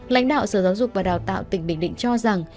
lãnh đạo sở giáo dục và đào tạo tỉnh bình định cho rằng